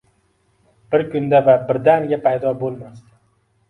Bir kunda va birdaniga paydo bo’lmas.